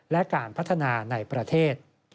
และการพัฒนาในประเทศ